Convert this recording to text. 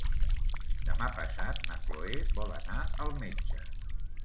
Demà passat na Cloè vol anar al metge.